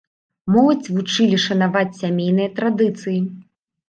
Моладзь вучылі шанаваць сямейныя традыцыі.